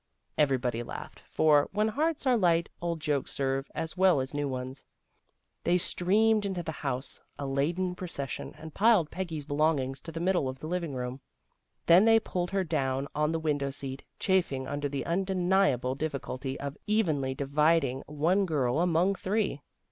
Everybody laughed, for, when hearts are light, old jokes serve as well as new ones. They streamed into the house, a laden procession, and piled Peggy's belongings in the middle of the living room. Then they pulled her down on the window seat, chafing under the unde niable difficulty of evenly dividing one girl among three.